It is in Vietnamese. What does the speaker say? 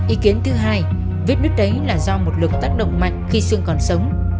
ý kiến thứ hai vết đứt đấy là do một lực tác động mạnh khi xương còn sống